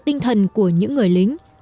tinh thần của những người lính